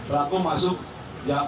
pelaku masuk dari siang